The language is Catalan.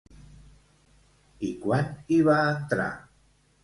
I quan hi va entrar?